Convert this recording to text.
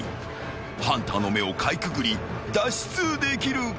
［ハンターの目をかいくぐり脱出できるか？］